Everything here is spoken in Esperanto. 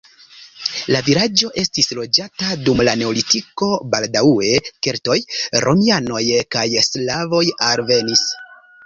La vilaĝo estis loĝata dum la neolitiko, baldaŭe keltoj, romianoj kaj slavoj alvenis.